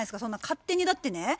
そんな勝手にだってね